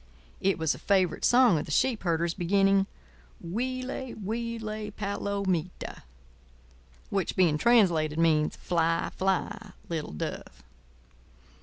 It was a favourite song of the sheep herders, beginning: "Huile, huile, palomita," which being translated means, "Fly, fly, little dove."